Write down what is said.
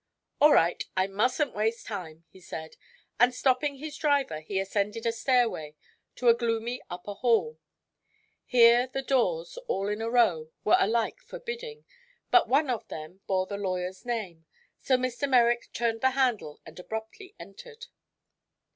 "All right; I mustn't waste time," he said, and stopping his driver he ascended a stairway to a gloomy upper hall. Here the doors, all in a row, were alike forbidding, but one of them bore the lawyer's name, so Mr. Merrick turned the handle and abruptly entered.